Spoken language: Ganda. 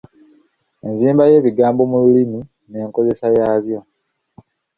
Enzimba yebigambo mu lulimi n’enkozesa yabyo.